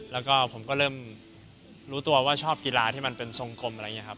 แล้วก็ผมก็เริ่มรู้ตัวว่าชอบกีฬาที่มันเป็นทรงกลมอะไรอย่างนี้ครับ